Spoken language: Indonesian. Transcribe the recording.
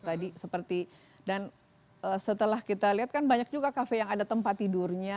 tadi seperti dan setelah kita lihat kan banyak juga kafe yang ada tempat tidurnya